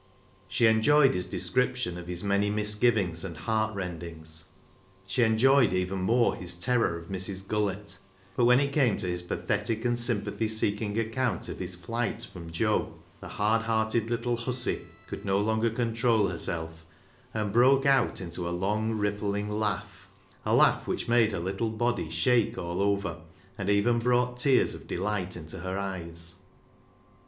She enjoyed his description of his many misgivings and heartrendings ; she en joyed even more his terror of Mrs. Gullett ; but when it came to his pathetic and sympathy seeking account of his flight from Joe, the hard hearted little " hussy " could no longer control herself, and broke out into a long rippling laugh — a laugh which made her little body shake all over, and even brought tears of delight into her eyes.